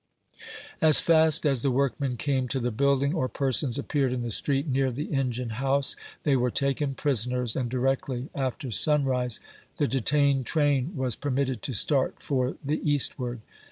As fast as the workmen came to the building, or persons appeared in the street near the engine house, they were taken prisoners, and directly after sunrise, the detained train was permitted to start for the eastward.